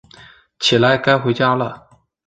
起来，该回家了